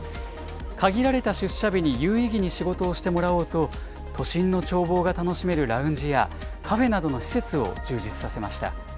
限られた出社日に有意義に仕事をしてもらおうと、都心の眺望が楽しめるラウンジや、カフェなどの施設を充実させました。